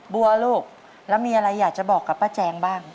บัวลูกแล้วมีอะไรอยากจะบอกกับป้าแจงบ้าง